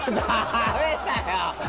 ダメだよ！